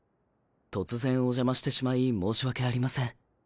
突然お邪魔してしまい申し訳ありません。